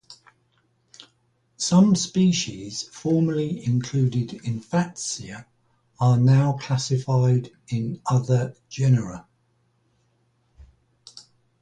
Some species formerly included in "Fatsia" are now classified in other genera.